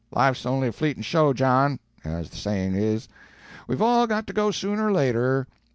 "Life's on'y a fleetin' show, John, as the sayin' is. We've all got to go, sooner or later.